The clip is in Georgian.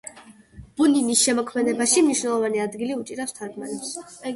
ბუნინის შემოქმედებაში მნიშვნელოვანი ადგილი უჭირავს თარგმანებს.